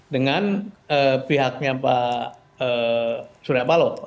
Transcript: dengan pihaknya pak suriapala